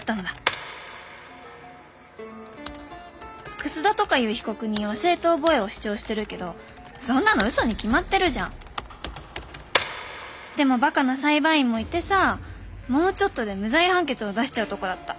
「楠田とかいう被告人は正当防衛を主張してるけどそんなの嘘に決まってるじゃん。でもばかな裁判員もいてさもうちょっとで無罪判決を出しちゃうとこだった。